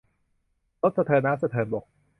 รถสะเทินน้ำสะเทินบก